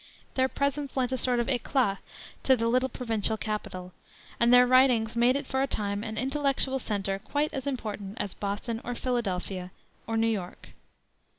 Their presence lent a sort of éclat to the little provincial capital, and their writings made it for a time an intellectual center quite as important as Boston or Philadelphia or New York.